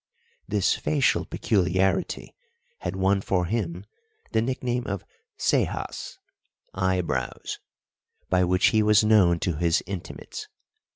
This facial peculiarity had won for him the nickname of Cejas (Eyebrows), by which he was known to his intimates.